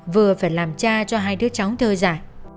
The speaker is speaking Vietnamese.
vừa phải làm cha cho hai đứa cháu thơ giả